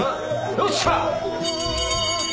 よっしゃ！